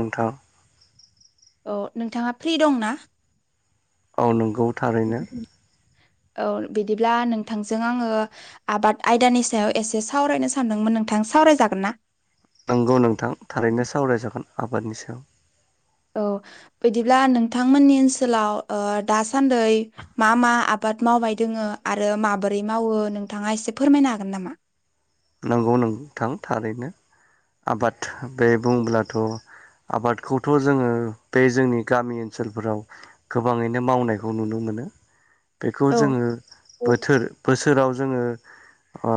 नोंथां औ नोंथाङा फ्रि दं ना? औ नंगौ थारैनो । औ बिदिब्ला नोंथांजों आङो आबाद आयदानि सायाव एसे सावरायनो सानदोंमोन नोंथां । सावरायजागोन ना? नंगौ नोंथां थारैनो सावरायजागोन आबादनि सायाव औ बिदिब्ला नोंथांमोननि ओनसोलाव ओ दासान्दै मा मा आबाद आबाद मावबाय दोङो आरो माबोरै मावो नोंथाङा एसे फोरमायनो हागोन नामा नंगौ नोंथां थारैनो आबाद बे बुंब्लाथ' आबादखौथ' जोङो बे जोंनि गामि ओनसोलफोराव गोबाङैनो मावनायखौ नुनो मोनो बेखौ औ जोङो बोथोर बोसोराव जोङो ओ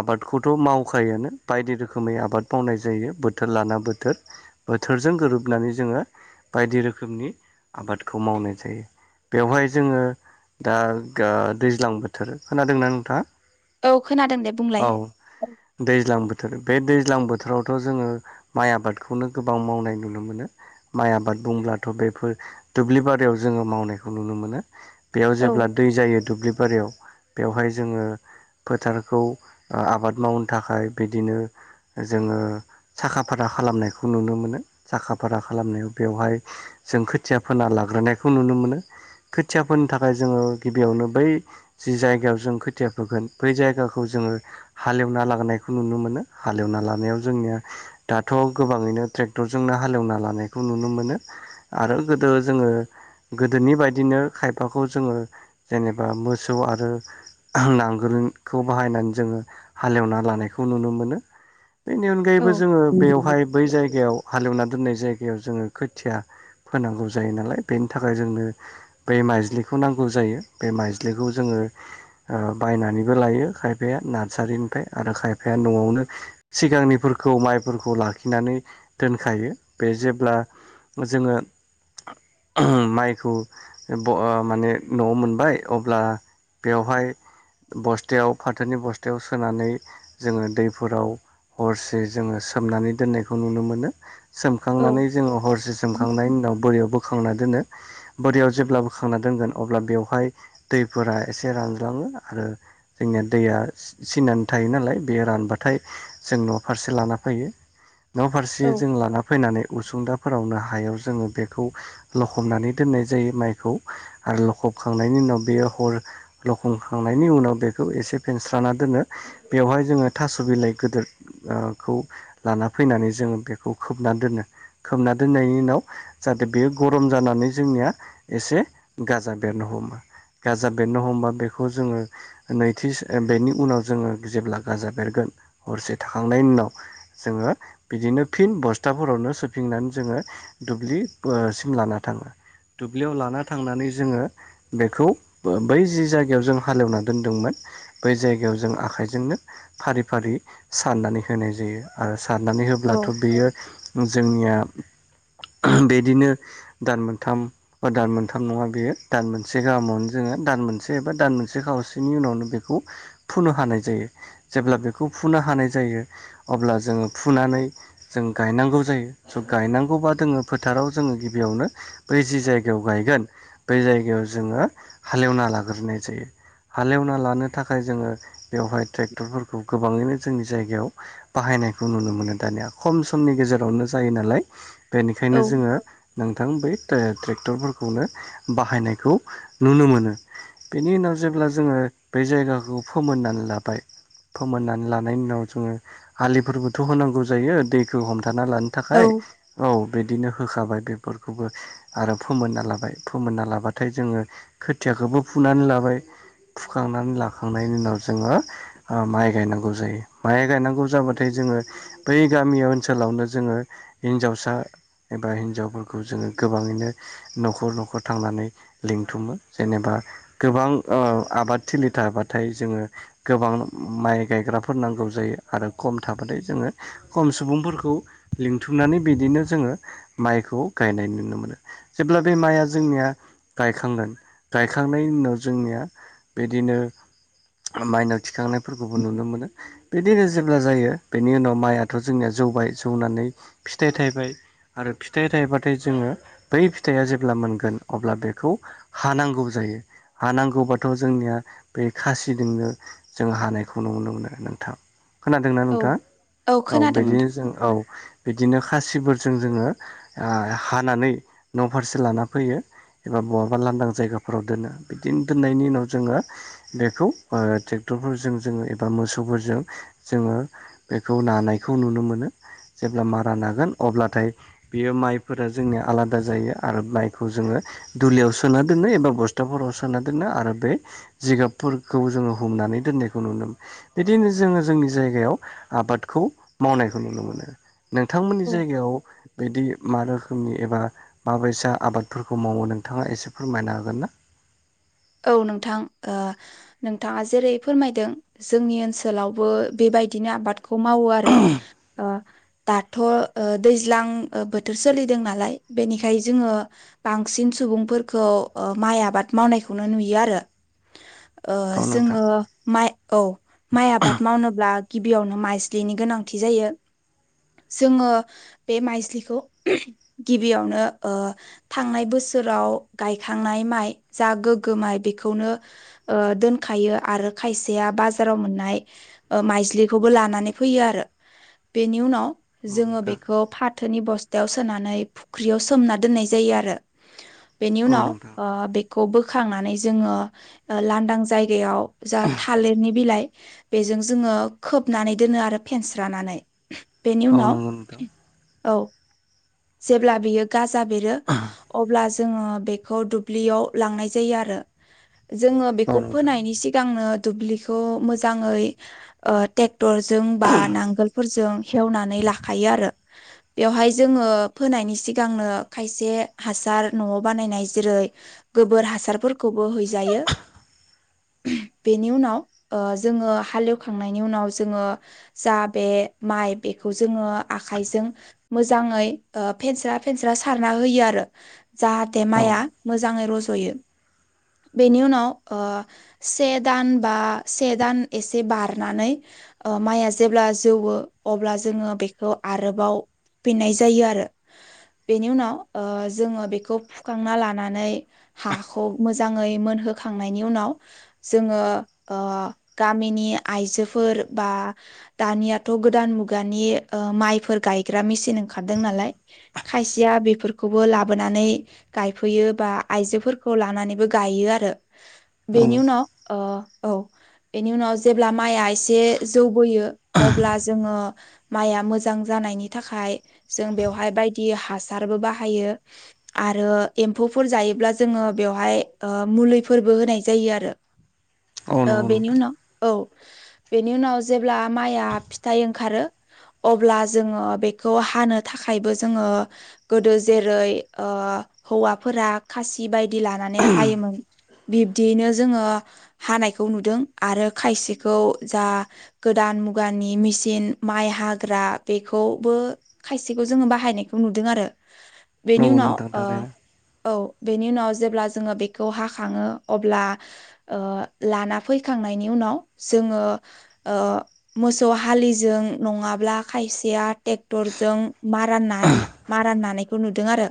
आबाद खौथ' मावखायानो बायदि रोखोमै आबाद मावनाय जायो बोथोर लाना बोथोर बोथोरजों गोरोबनानै जोङो बायदि रोखोमनि आबादखौ मावनाय जायो बेवहाय जोङो दा आ दैज्लां बोथोर खोनादोंना नोंथाङा औ खोनादों दे बुंलाय औ दैज्लां बोथोर बे दैज्लां बोथोरावथ' जोङो माइ आबादखौनो गोबां मावनाय नुनो मोनो माइ आबाद बुंब्लाथ' बेफोर दुब्लि बारियाव जोङो मावनायखौ नुनो मोनो बेयाव औ जेब्ला दै जायो दुब्लि बारियाव बेवहाय जोङो फोथारखौ आबाद मावनो थाखाय बिदिनो जोङो साखा फारा खालामनायखौ नुनो मोनो साखा फारा खालामनायाव बेवहाय जों खोथिया फोना लाग्रोनायखौ नुनो मोनो खोथिया फोनो थाखाय जोङो गिबियावनो बै जि जायगायाव जों खोथिया फोगोन बै जायगाखौ जोङो हालेवना लाबोनायखौ नुनो मोनो हालेवना लानायाव जोंनिया दाथ' गोबाङैनो ट्रेक्टरजोंनो हालेवना लानायखौ नुनो मोनो आरो गोदो जोङो गोदोनि बायदिनो खायफाखौ जोङो जेनेबा मोसौ आरो नांग गोलखौ बाहायनानै जोङो हालेवनानै लानायखौ नुनो मोनो बेनि औ अनगायैबो जोङो बेवहाय बै जायगायाव हालेवना दोननाय जायगा जोङो खोथिया फोनांगौ जायो नालाय बेनि थाखाय जोंनो बै माइज्लिखौ नांगौ जायो बे माइज्खौ जोङो ओ बायनानैबो लायो खायफ खायफाया नार्सारिनिफ्राय आरो खायफाया न'आवनो सिगांनिफोरखौ माइफोरखौ लाखिनानै दोनखायो बे जेब्ला जोङो माइखौ माने न'आव मोनबाय अब्ला बेवहाय बस्थायाव फाथोनि बस्थायाव सोनानै जोङो दैफोराव हरसे जोङो सोमनानै दोननायखौ नुनो मोनो औ सोमखांनानै जोङो हरसे सोमखांनायनि उनाव बोरैयाव बोखांना दोनो बोरियाव जेब्लाबो खांना दोनगोन अब्ला बेवहाय दैफोरा एसे रानज्लाङो आरो जोंनिया दैया सिनानै थायो नालाय बेयो रानबाथाय जों न फारसे लाना फैयो नफारसे औ जों लाना फैनानै उसुंदाफोरावनो हायाव जोङो बेखौ लखबनानै दोननाय जायो माइखौ आरो लखबखांनायनि उनाव बेयाव हर लखंखांनायनि उनाव बे एसे फेनस्रा दोनो बेवहाय जोङो थास बिलाइ गिदिर खौ लाना फैनानै जोङो बेखौ खोबना दोनो खोबना दोननायनि उनाव जाहाथे बेयो गरम जानानै जों निया एसे गाजा बेरनो हमा गाजा बेरनो हमबा बेखौ जोङो नैथि बेनि उनाव जोङो जेब्ला गाजा बेरगोन हरसे थाखाखांनायनि उनाव जोङो बिदिनो फिन बस्थाफोरावनो सोफिनानै जोङो दुब्लिसिम लाना थाङो दुब्लियाव लाना थांनानै जोङो बेखौ बै जि जायगायाव जों हालेवनानै दोनदोंमोन बै जायगायाव जों आखाइजोंनो फारि फारि सारनानै होनाय जायो आरो सारनानै होब्लाथ बेयो जोंनिया बेदिनो दान मोनथाम बा दान मोनथाम नङा बेयो दान मोनसे गाहामावनो जोङो दान मोनसे एबा दान मोनसे खावस नि उनावनो बेखौ फुनो हानाय जायो जेब्ला बेखौ फुनो हानाय जायो अब्ला जों जों फुनानै जों गायनांगौ जायो स गायनांगौबा जोङो फोथाराव जोङो गिबियावनो बै जि जायगायाव गायगोन बै जायगायाव जोङो हालेवना लाग्रोनाय जायो हालेवना लानो थाखाय जोङो बेवहाय ट्रेक्टरफोरखौ गोबाङैनो जोंनि जायगायाव बाहायनायखौ नुनो मोनो दानिया खम समनि गेजेरावनो जायो नालाय औ बेनिखायनो जोङो नोंथां बै ट्रेक डक्टरफोरखौनो बाहायनायखौ नुनो मोनो बेनि उनाव जेब्ला जो जोङो बे जायगाखौ फोमोननानै लाबाय फोमोननानै लानायनि उनाव जोङो हालिफोरबोथ होनांगौ जायो दैखौ हमथा थाना लानो थाखाय औ बिदिनो होखाबाय बेफोरखौबो आरो फोमोनना लाबाय फोमोनना लाबाथाय जोङो खोथियाखौबो फुनानै ला- बाय फुखांनानै लाखांनायनि उनाव जोङो माइ गायनांगौ जायो माइ गायनांगौ जाबाथाय जों बै गामि ओनसोलावनो जोङो हिनजावसा एबा हिनजावफोरखौ जोङो गोबाङैनो नखर नखर थांनानै लिंथुमो जेनेबा गोबां ओ आबाद थिलि थाबाथाय जोङो गोबां माइ गायग्राफोर नांगौ जायो आरो खम थाबा जोङो खम सुबुंफोरखौ लिंथुमनानै बिदिनो जोङो माइखौ गायनाय नु- नो मोन जेब्ला बे माइआ जोंनिया गायखांगोन गायखांनायनि उनाव जोंनिया बिदिनो माइनाव थिखांनायफोरखौबो नुनो मोनो बिदिनो जेब्ला जायो बेनि उनाव माइयाथ जोंनिया जौबाय जौनानै फिथाइ थायबाय आरो फिथाइ थाइबाथाय जोङो बै फिथाइया जेब्ला मोनगोन अब्ला बेखौ हानांगौ जा- यो हांनांगौबाथ जोंनिया बे खासिजोंनो जों हानायखौ नुनो मोनो नोंथां खोनादोंना नोंथां? औ खोनादों नोंथां बिदिनो जों औ बिदिनो खासिफोरजों जोङो हानानै न फारसे लाना फैयो एबा बहाबा लांदां जायगाफोराव दोनो बिदिनो दोननायनि उनाव जोङो बेखौ ओ ट्रेक्टरफोरजों जोङो एबा मोसौफोरजों जोङो बेखौ नानायखौ नुनो मोनो जेब्ला मारा नागोन अब्लाथाय बियो माइफोरा जोंनिया आलादा जायो आरो माइखौ जोङो दुलियाव सोना दोननो एबा बसथाफोराव सोना दोनो आरो बे जिगाबफोरखौ जोङो हमनानै दोननायखौ नुनो बिदिनो जोङो जोंनि जायगायाव आबादखौ मावनायखौ नुनो मोनो नोंथांमोननि औ जायगायाव बिदि मा रोखोमनि एबा माबैसा आबादफोरखौ मावो नोंथाङा एसे फोरमायनो हागोन ना औ नोंथां ओ नोंथाङा जेरै फोरमायदों जोंनि ओनसोलावबो बे- बायदिनो आबादखौ मावो आरो ओ दाथ' ओ दैज्लां ओ बोथोर सोलिदों नालाय बेनिखाय जोङो बांसिन सुबुंफोरखौ माइ आबाद मावनायखौनो नुयो आरो ओ औ नोंथां जोङो माइ औ माइ आबाद मावनोब्ला गिबियावनो माइस्लिनि गोनांथि जायो जोङो बे माइज्लिखौ गिबियावनो ओ थांनाय बोसोर बोसोराव गायखांनाय माइ जा गोग माइ बेखौनो ओ दोनखायो आरो खायसेआ बाजाराव मोननाय ओ माइ ज्लिखौबो लानानै फैयो आरो बेनि उनाव औ जोङो नोंथां बेखौ फा- थोनि बस्थायाव सोनानै फुख्रियाव सोमना दोननाय जायो आरो बेनि औ उनाव नोंथां ओ बेखौबो खांनानै जोङो लांदां जायगायाव जा थालिरनि बिलाइ बेजों जोङो खोबनानै दोनो आरो फेन्स्रानानै औ नांगौ नोंथां औ जेब्ला बेयो गाजा बेरो अब्ला जोङो बेखौ दुब्लियाव लांनाय जायो आरो जोङो औ बेखौ नोंथां फोनायनि सिगांनो दुब्लिखौ मोजाङै ट्रेक्टरजों बा नांगोलफोरजों हेवनानै लाखायो आरो बेवहाय जों आङो फोनायनि सिगांनो खायसे हासार न'आव बानायनाय जेरै गोबोर हासा- रफोरखौबो हैजायो बेनि उनाव ओ जोङो हालेवखांनायनि उनाव जोङो जा बे माइ बे बेखौ जोंङो आखायजों मोजाङै ओ फेनस्रा फेनस्रा सारना होयो आरो जाहाथे औ माइआ मोजाङै रज'यो। [inaudible] बेनि उनाव ओ से दान बा से दान एसे बारनानै ओ माइआ जेब्ला जौवो अब्ला जोङो बेखौ आरोबाव फिनाय जायो आरो बेनि उनाव ओ जोङो बेखौ फुखांना लानानै हा खौ मोजाङै मोनहोखांनायनि उनाव जोङो ओ गामिनि आइ जोफोर बा दानियाथ' गोदान मुगानि ओ माइफोर गायग्रा मेसिन ओंखार दोंनालाय खायसेयाफोरखौबो लाोनानै गायफैयो बा आइजोफोर। खौ लानानैबो गायो आरो बेनि उनाव अ औ बेनि उनाव जेब्ला माइआ एसे जौबोयो अब्ला जोङो माइआ मोजां जा नायनि थाखाय जों बेवहाय बायदि हासारबो बाहायो आरो एमफौ फोर जायोब्ला जोङो बेयावहाय ओ मुलिफोरबो होनाय जायो आरो औ ओ नंगौ बेनि नोंथां उनाव औ [inaudible] बेनि उनाव जेब्ला माइआ फिथाइ ओंखारो अब्ला जोङो बेखौ हानो थाखा थाखायबो जोङो गोदो जेरै ओ हौवाफोरा खासि बायदि लानानै हायोमोन। बिब्दियैनो जोङो हानायखौ नुदों आरो खायसेखौ जा गोदान। न मुगानि मिचिन माइ हाग्रा बेखौबो खायसेखौ जोङो बाहायनायखौ नुदों। आरो बेनि नंगौ उनाव नोंथां ओ थारैनो औ बेनि उनाव जेब्ला जोङो बेखौ हाखङो अब्ला ओ लाना फैखांनायनि उन नाव जोंङो मोसौ हालिजों नङाब्ला खायसेआ ट्रे क्टरजों मारा नालि मारा नानायखौ नुदों आरो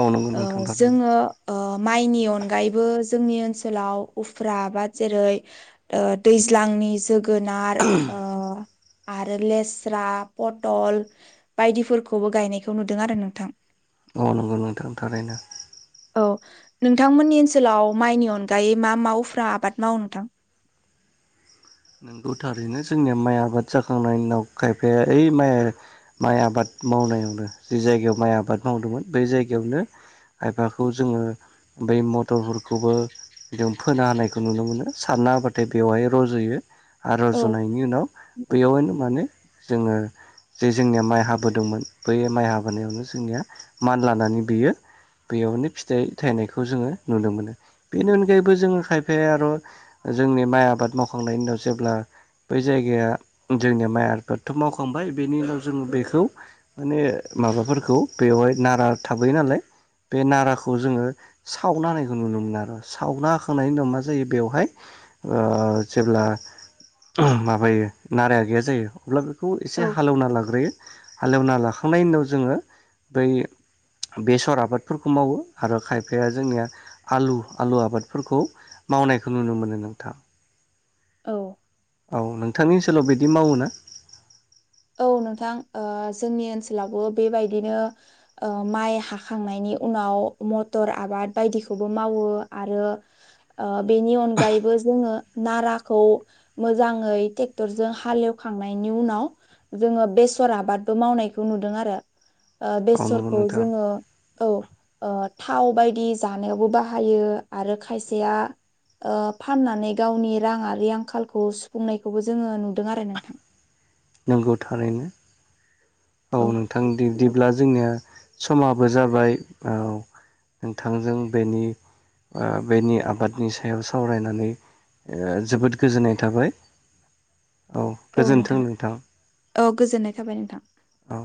औ नंगौ ओ नोंथां। थारैनो जोङो ओ माइनि अनगायैबो जोंनि ओनसोलाव उफ्रा आबाद जेरै दैज्लांनि जो गोनार ओ आरो लेस्रा पटल बायदिफोरखौबो गायनायखौ नुदों आरो नोंथां। औ नंगौ नोंथां थारैनो औ नोंथांमोननि ओनसोलाव माइनि अनगायै मा मावफ्रा आबाद मावो नोंथां? [inaudible] नोंगौ थारैनो जोंनिया माइ आबाद जाखांनायनि उनाव खायफाया ओइ माइ माइ आबाद मावनायावनो जि जायगायाव माइ आबाद मावदोंमोन बै जायगायावनो खायफाखौ जोङो बै मटरफोरखौबो जों फोनो हानायखौ नुनो मोनो सारना होबाथाय बेवहाय रज'यो। औ आरजनायनि उनाव बैयावनो माने जोङो जे जोंनिया माइ हाबोदोंमोन बै माइ हाबोनायावनो जोंनिया मान लानानै बियो बेयावनो फिथाइ थायनायखौ जोङो नुनो मोनो बेनि अनगायैबो जोङो खायफाया आर जोंनि माइ आबाद मावखांनायनि उनाव जेब्ला बै जायगाया जोंनिया माइ आबादथ' मावखांबाय बेनि उनाव जोङो बेखौ माने माबाफोरखौ बेवहाय नारा थाबाय नालाय बे नाराखौ जोङो सावना होनायखौ नुनो मोनो आरो सावना होखांनायनि उनाव मा जायो बेवहाय ओ जेब्ला माबायो नाराया गैया जायो अब्ला बेखौ एसे औ हालेवना लाग्रोयो। हालेवना लाखांनायनि उनाव जोङो बै बेसर आबादफोरखौ मावो आरो खायफाया जोंनिया आलु आलु आबादफोरखौ मावनायखौ नुनो मोनो नोंथां। औ। औ नोंथांनि ओनसोलाव बिदि मावो ना? औ नोंथां ओ जोंनि ओनसोलावबो बेबायदिनो ओ माइ हाखांनायनि नि उनाव मथ'र आबाद बायदिखौबो मावो आरो ओ बेनि अनगायैबो जोङो नाराखौ मोजाङै ट्रेक्टरजों हालेव खांनायनि उनाव जोङो बेस'र आबादबो मावनायखौ नुदों आरो। ओ औ नंगौ बेसरखौ नोंथां जोङो औ ओ थाव बायदि जानायावबो बाहायो आरो खायसेया ओ फाननानै गावनि राङारि आंखालखौ सुफुंनायखौबो जोङो नुदों आरो नोंथां। नंगौ थारैनो। औ नोंथां बिदिब्ला जोंनिया समाबो जाबाय औ। नोंथांजों बेनि ओ बेनि आबादनि सायाव सावरायनानै ओ जोबोद गोजोननाय थाबाय। औ गोजोन्थों नोंथां। औ गोजोननाय थाबाय नोंथां। औ।